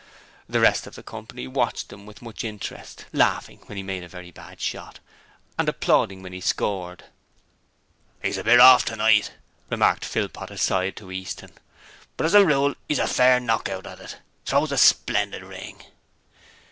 The rest of the company watched him with much interest, laughing when he made a very bad shot and applauding when he scored. ''E's a bit orf tonight,' remarked Philpot aside to Easton, 'but as a rule 'e's a fair knockout at it. Throws a splendid ring.'